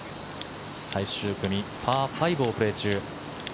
最終組、パー５をプレー中。